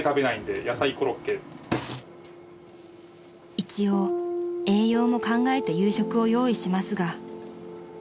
［一応栄養も考えて夕食を用意しますが］